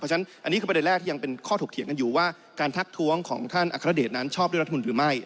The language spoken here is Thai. เพราะฉะนั้นอันนี้คือประเด็นแรกที่ยังเป็นข้อถกเถียงกันอยู่ว่าการทักท้วงของท่านอัครเดชนั้นชอบด้วยรัฐมนุนหรือไม่